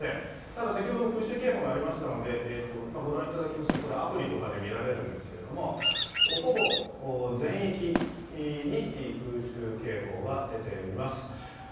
ただ先ほども空襲警報鳴りましたので、これ、アプリとかで見られるんですが、ほぼ全域に空襲警報が出ています。